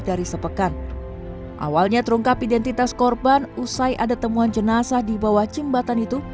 dari sepekan awalnya terungkap identitas korban usai ada temuan jenazah di bawah jembatan itu